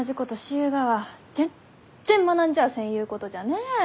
ゆうがは全然学んじゃあせんゆうことじゃねえ。